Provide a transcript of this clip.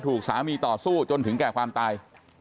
ถูกสามีต่อสู้จนถึงแก่ความตาย